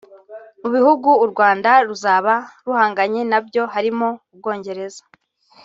Mu bihugu u Rwanda ruzaba ruhanganye nabyo harimo; u Bwongereza